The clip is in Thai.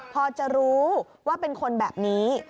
พอจะรู้ว่าเป็นคนแบบนี้